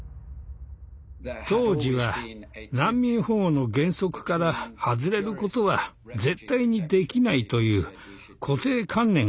当時は難民保護の原則から外れることは絶対にできないという固定観念がありました。